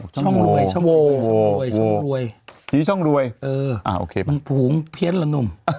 จิช่องรวยจิช่องรวยมันผูงเพี้ยนละหนุ่ม